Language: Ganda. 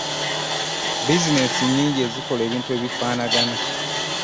bizineesi nnyingi ezikola ebintu ebifaanagana.